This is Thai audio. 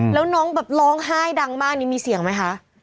แล้วน้องแบบร้องไห้ดังมากนี่มีเสียงไหมคะ